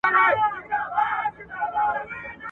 زه کولای سم سبزېجات تيار کړم.